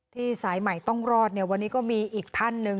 สายใหม่ต้องรอดเนี่ยวันนี้ก็มีอีกท่านหนึ่ง